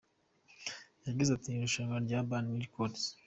Yagize ati “Ni irushanwa rya Urban Records.